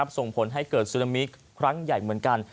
ส่งผลให้เกิดซึนามิครั้งใหญ่เหมือนกัน